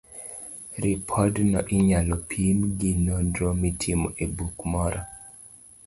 Ripodno inyalo pim gi nonro mitimo e buk moro.